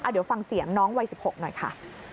เดี๋ยวฟังเสียงน้องวัย๑๖หน่อยค่ะ